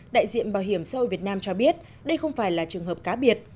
đại diện bảo hiểm xã hội việt nam cho biết đây không phải là trường hợp cá biệt